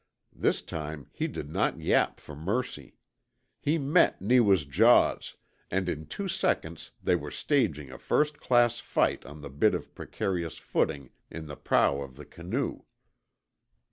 This time he did not yap for mercy. He met Neewa's jaws, and in two seconds they were staging a first class fight on the bit of precarious footing in the prow of the canoe.